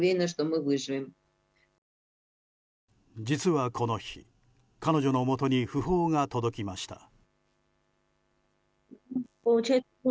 実はこの日、彼女のもとに訃報が届きました。